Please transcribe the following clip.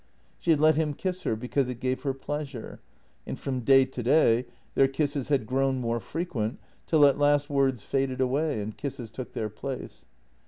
She had let him kiss her because it gave her pleasure, and from day to day their kisses had grown more frequent, till at last words faded away and kisses took their place.